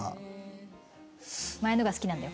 前のが好きなんだよ。